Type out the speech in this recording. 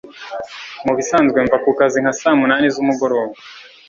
mubisanzwe mva kukazi nka saa munani z'umugoroba